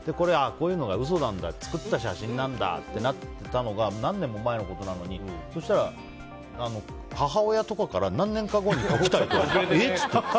こういうのが嘘なんだ作った写真なんだというのが何年前のことなのに母親とかから何年か後に来たり。